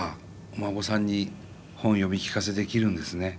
お孫さんに本読み聞かせできるんですね。